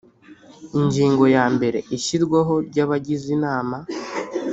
Ingingo ya mbere Ishyirwaho ry abagize inama